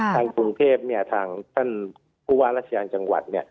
ทางกรุงเทพทางท่านผู้ว่าราชการจังหวัด